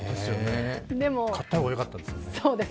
買った方がよかったですよね。